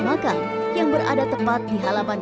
makam yang berada tepat di halaman